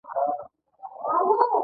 ته څو کلن یې؟